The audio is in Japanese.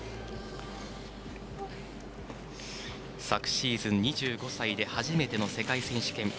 昨シーズン、２５歳で初めての世界選手権。